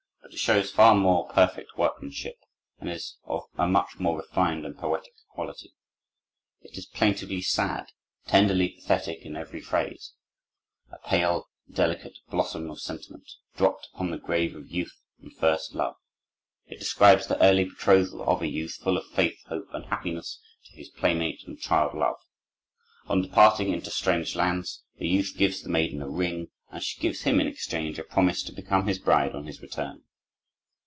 But it shows far more perfect workmanship, and is of a much more refined and poetic quality. It is plaintively sad, tenderly pathetic in every phrase, a pale, delicate blossom of sentiment, dropped upon the grave of youth and first love. It describes the early betrothal of a youth, full of faith, hope, and happiness, to his playmate and child love. On departing into strange lands, the youth gives the maiden a ring and she gives him in exchange a promise to become his bride on his return.